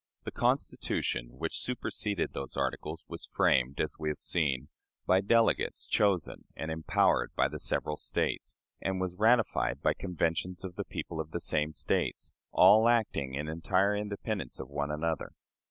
The Constitution which superseded those articles was framed, as we have seen, by delegates chosen and empowered by the several States, and was ratified by conventions of the people of the same States all acting in entire independence of one another.